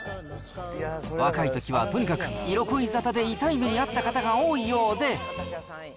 若いときはとにかく、色恋沙汰で痛い目に遭った方が多いようで。